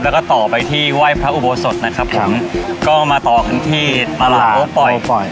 แล้วก็ต่อไปที่ว่ายพระอุโบสถก็มาต่อกันที่หรืออ่ะ